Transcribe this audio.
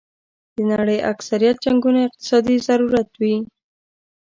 د نړۍ اکثریت جنګونه اقتصادي ضرورت وي.